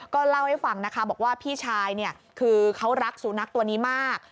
ก็เล่าให้ฟังนะคะบอกว่าพี่ชายคือเขารักสุนัขตัวนี้มาก